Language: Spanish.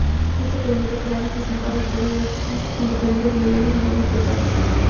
Esto permite crear hasta cinco recorridos distintos con diferentes niveles de dificultad.